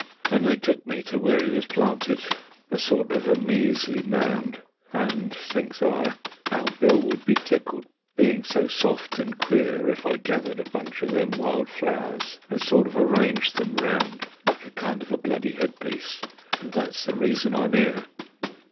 And they took me to where 'e was planted, a sort of a measly mound, And, thinks I, 'ow Bill would be tickled, bein' so soft and queer, If I gathered a bunch o' them wild flowers, and sort of arranged them round Like a kind of a bloody headpiece ... and that's the reason I'm 'ere.